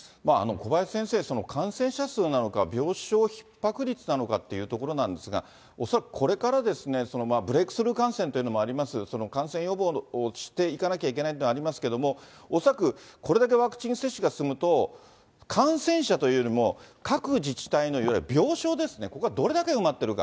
小林先生、感染者数なのか、病床ひっ迫率なのかっていうところなんですが、恐らくこれからブレークスルー感染というのもあります、その感染予防をしていかなければいけないというのもありますけれども、恐らくこれだけワクチン接種が進むと、感染者というよりも、各自治体の病床ですね、ここがどれだけ埋まってるか。